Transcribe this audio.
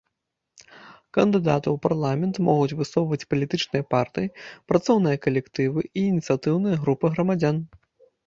Кандыдатаў у парламент могуць высоўваць палітычныя партыі, працоўныя калектывы і ініцыятыўныя групы грамадзян.